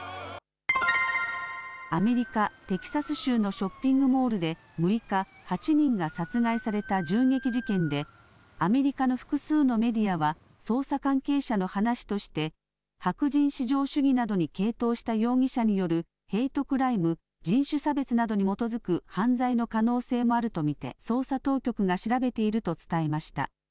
アメリカ・テキサス州のショッピングモールで６日、８人が殺害された銃撃事件で、アメリカの複数のメディアは、捜査関係者の話として、白人至上主義などに傾倒した容疑者によるヘイトクライム・人種差別などに基づく犯罪の可能性もあると見て、捜査当局が調べていると伝えました。